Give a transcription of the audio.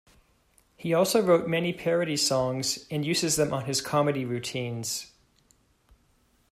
He also wrote many parody songs and uses them on his comedy routines.